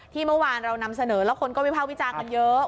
เมื่อวานเรานำเสนอแล้วคนก็วิภาควิจารณ์กันเยอะ